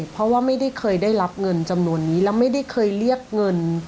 เพราะมันไม่จริง